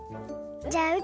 じゃあう